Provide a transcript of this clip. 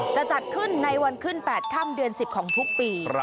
จะจัดขึ้นในวันขึ้น๘ค่ำเดือน๑๐ของทุกปี